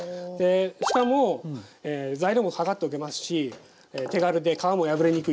しかも材料も量っておけますし手軽で皮も破れにくいっていう。